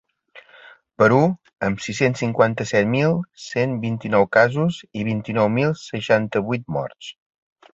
Perú, amb sis-cents cinquanta-set mil cent vint-i-nou casos i vint-i-nou mil seixanta-vuit morts.